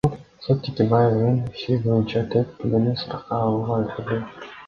Сот Текебаевдин иши боюнча төрт күбөнү суракка алууга үлгүрдү.